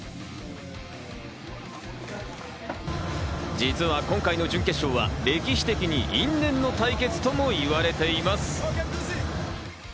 実は今回の準決勝は歴史的に因縁の対決ともいわれています。